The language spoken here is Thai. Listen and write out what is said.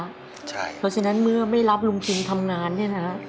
เพราะฉะนั้นเมื่อไม่รับลุงทุนทำงานเนี่ยนะ